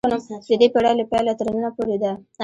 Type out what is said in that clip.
د دې پېړۍ له پیله تر ننه پورې ده.